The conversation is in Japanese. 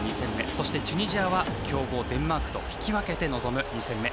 そしてチュニジアは強豪デンマークと引き分けて臨む２戦目。